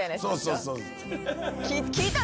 そうそう。